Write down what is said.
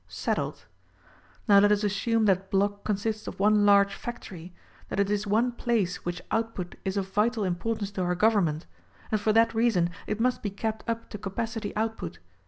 Settled. Now let us assume that block consists of one large factory ; that it is one place which output is of vital importance to our government ; and for that reason it must be kept up to capacity output?